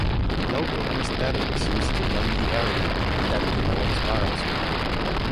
Local anesthetic is used to numb the area, then the mole is biopsied.